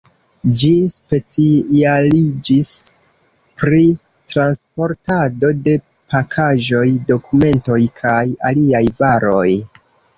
Ĝi specialiĝis pri transportado de pakaĵoj, dokumentoj kaj aliaj varoj.